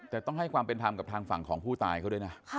แต่ต้องให้ความเป็นธรรมกับทางฝั่งของผู้ตายเขาด้วยนะ